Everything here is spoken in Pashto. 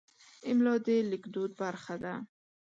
املا د لیکدود برخه ده.